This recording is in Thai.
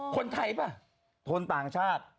คนไทยป่ะคนต่างชาติ